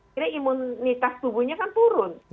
jadi imunitas tubuhnya kan turun